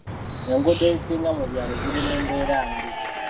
Enguudo ezisinga mu byalo ziri mu mbera mbi .